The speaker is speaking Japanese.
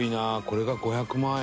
これが５００万円か。